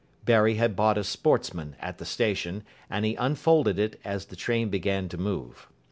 Barry had bought a Sportsman at the station, and he unfolded it as the train began to move.